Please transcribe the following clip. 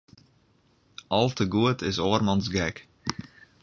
Al te goed is oarmans gek.